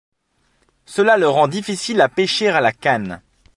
Cela le rend difficile à pêcher à la canne.